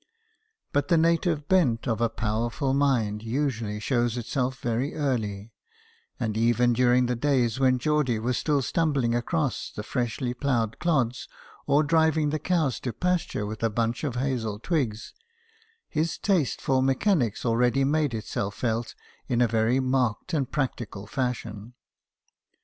But the native bent of a powerful mind usually shows itself very early ; and even during the days when Geordie was still stumbling across the freshly ploughed clods or driving the cows to pasture with a bunch of hazel twigs, his taste for mechanics already made itself felt in a very marked and practical fashion.